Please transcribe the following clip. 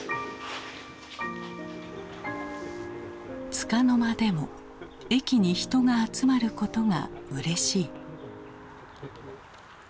つかの間でも駅に人が集まることがうれしい。